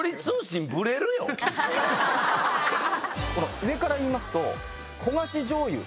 上から言いますと。